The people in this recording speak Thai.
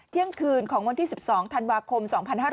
เที่ยงคืนของวันที่๑๒ธันวาคม๒๕๕๙